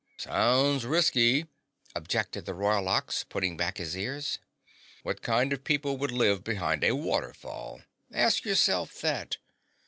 "Sounds risky!" objected the Royal Ox, putting back his ears. "What kind of people would live behind a waterfall? Ask yourself that."